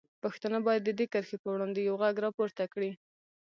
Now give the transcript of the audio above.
پښتانه باید د دې کرښې په وړاندې یوغږ راپورته کړي.